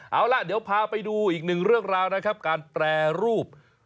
เอาล่ะเดี๋ยวพาไปดูอีกหนึ่งเรื่องราวนะครับการแปรรูป